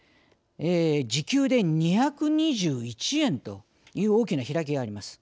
時給で２２１円という大きな開きがあります。